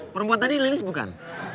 perempuan tadi lilis bukan